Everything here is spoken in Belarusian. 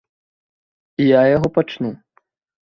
І я яго пачну.